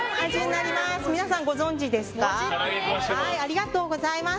ありがとうございます。